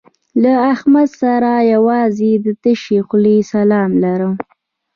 له احمد سره یوازې د تشې خولې سلام لرم.